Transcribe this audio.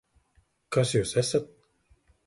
Kas Jūs esat?